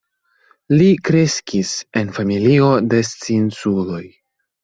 Li kreskis en familio de scienculoj.